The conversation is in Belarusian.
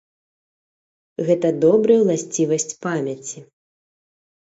Гэта добрая ўласцівасць памяці.